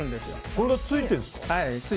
これがついてるんですか？